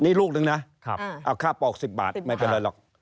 นี่ลูกนึงนะเอาค่าปอก๑๐บาทไม่เป็นไรหรอก